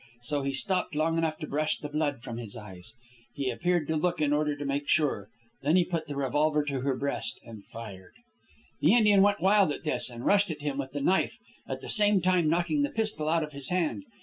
So he stopped long enough to brush the blood from his eyes. He appeared to look in order to make sure. Then he put the revolver to her breast and fired. "The Indian went wild at this, and rushed at him with the knife, at the same time knocking the pistol out of his hand.